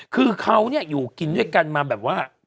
คือเขาเนี่ยอยู่กินด้วยกันมาแบบว่า